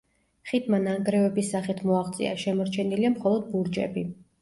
ხიდმა ნანგრევების სახით მოაღწია, შემორჩენილია მხოლოდ ბურჯები.